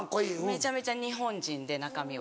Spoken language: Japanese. めちゃめちゃ日本人で中身は。